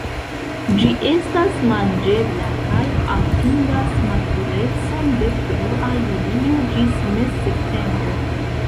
Ĝi estas manĝebla, kaj atingas maturecon de frua julio ĝis mez-septembro.